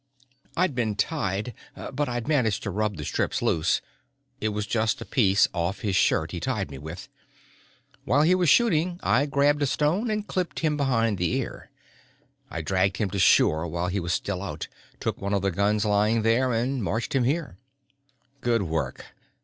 "I'd been tied but I'd managed to rub the strips loose. It was just a piece off his shirt he tied me with. While he was shooting I grabbed a stone and clipped him behind the ear. I dragged him to shore while he was still out, took one of the guns lying there and marched him here." "Good work."